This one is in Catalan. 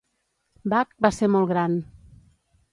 Bach va ser molt gran.